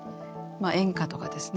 演歌とかですね。